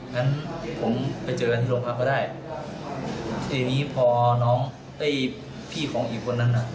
งั้นผมไปเจอกันที่โรงพักษณ์ก็ได้คือทีนี้พอพี่ของอีกคนนั้นน่ะ